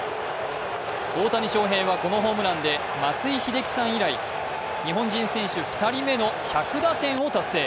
大谷翔平はこのホームランで松井秀喜さん以来日本人選手２人目の１００打点を達成。